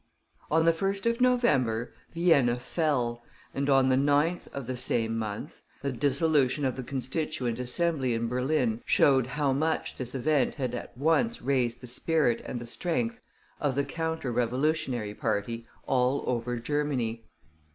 On the 1st of November Vienna fell, and on the 9th of the same month the dissolution of the Constituent Assembly in Berlin showed how much this event had at once raised the spirit and the strength of the Counter Revolutionary party all over Germany.